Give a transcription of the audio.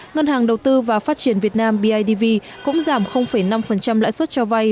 ngân hàng đầu tư và phát triển việt nam bidv cũng giảm năm lãi suất cho vay